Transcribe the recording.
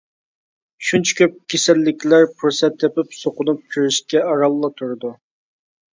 شۇنچە كۆپ كېسەللىكلەر پۇرسەت تېپىپ سۇقۇنۇپ كىرىشكە ئارانلا تۇرىدۇ.